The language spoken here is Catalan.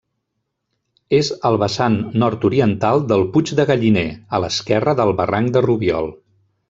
És al vessant nord-oriental del Puig de Galliner, a l'esquerra del barranc de Rubiol.